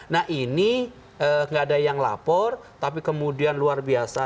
nah ini nggak ada yang lapor tapi kemudian luar biasa